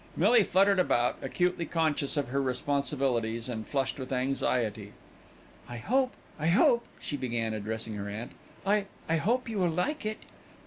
Millie fluttered about, acutely conscious of her responsibilities and flushed with anxiety. "I hope I hope," she began, addressing her aunt. "I I hope you will like it."